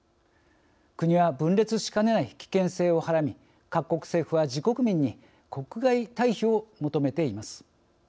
国は分裂しかねない危険性をはらみ各国政府は自国民に国外退避を求めています。